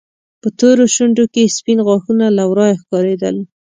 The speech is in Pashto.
په تورو شونډو کې يې سپين غاښونه له ورايه ښکارېدل.